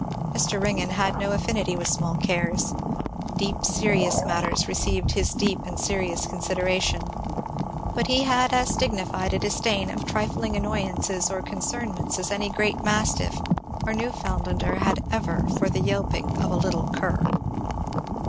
Mr. Ringgan had no affinity with small cares; deep serious matters received his deep and serious consideration; but he had as dignified a disdain of trifling annoyances or concernments as any great mastiff or Newfoundlander ever had for the yelping of a little cur.